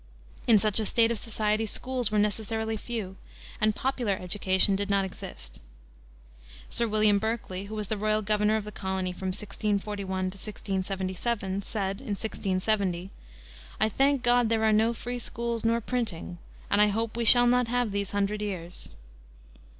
In such a state of society schools were necessarily few, and popular education did not exist. Sir William Berkeley, who was the royal governor of the colony from 1641 to 1677, said, in 1670, "I thank God there are no free schools nor printing, and I hope we shall not have these hundred years."